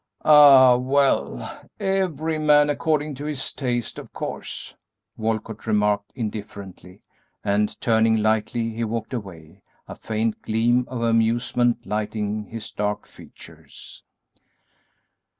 "Ah, well, every man according to his taste, of course," Walcott remarked, indifferently, and, turning lightly, he walked away, a faint gleam of amusement lighting his dark features.